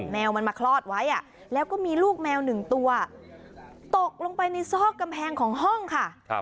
แมวมันมาคลอดไว้แล้วก็มีลูกแมวหนึ่งตัวตกลงไปในซอกกำแพงของห้องค่ะ